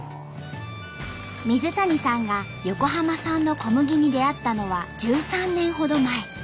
水谷さんが横浜産の小麦に出会ったのは１３年ほど前。